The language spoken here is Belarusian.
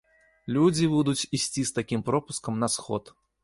Людзі будуць ісці з такім пропускам на сход.